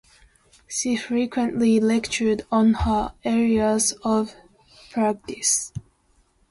She frequently lectured on her areas of practice.